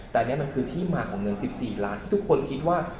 แต่นี่มันคือที่มาของเงิน๑๔ล้านที่ทุกคนคิดว่า